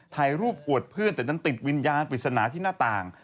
ถ่ายรูปอวดเพื่อนแต่นั้นติดวิญญาณปริศนาที่หน้าต่าง